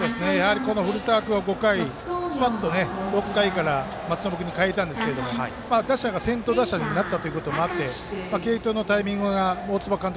古澤君が５回スパッと６回から松延君に代えたんですが打者が先頭打者になったこともあって継投のタイミングが大坪監督